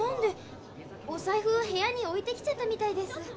お財布部屋に置いてきちゃったみたいです。